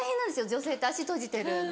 女性って足閉じてるの。